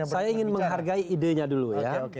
saya ingin menghargai idenya dulu ya